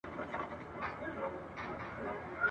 بیا به زه، بیا به ګودر وي، بیا دښتونه مستومه !.